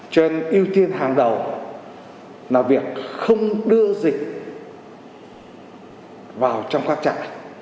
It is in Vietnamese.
cho nên ưu tiên hàng đầu là việc không đưa dịch vào trong các trại